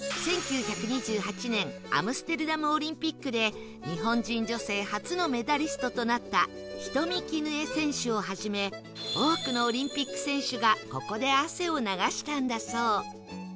１９２８年アムステルダムオリンピックで日本人女性初のメダリストとなった人見絹枝選手をはじめ多くのオリンピック選手がここで汗を流したんだそう